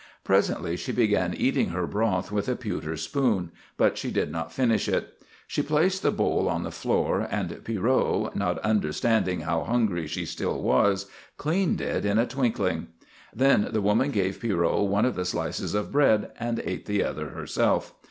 Presently she began eating her broth with a pewter spoon, but she did not finish it. She placed the bowl on the floor and Pierrot, not understanding how hungry she still was, cleaned it in a twinkling. Then the woman gave Pierrot one of the slices of bread and ate the other herself.